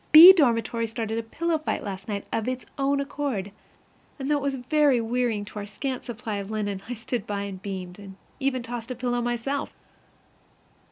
B dormitory started a pillow fight last night of its own accord; and though it was very wearing to our scant supply of linen, I stood by and beamed, and even tossed a pillow myself.